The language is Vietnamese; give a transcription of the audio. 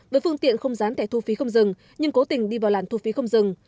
với phương tiện không dán tẻ thu phí không dừng nhưng cố tình đi vào làn thu phí không dừng